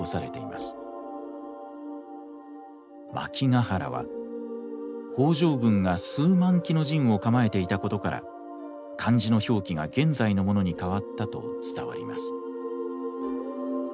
万騎が原は北条軍が数万騎の陣を構えていたことから漢字の表記が現在のものに変わったと伝わります。